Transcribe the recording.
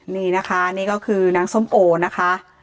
นี่นะคะนี่ก็คือนางส้มโอนะคะ